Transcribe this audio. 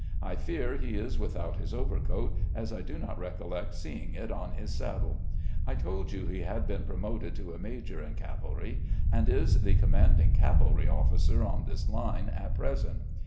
I fear he is without his overcoat, as I do not recollect seeing it on his saddle. I told you he had been promoted to a major in cavalry, and is the commanding cavalry officer on this line at present.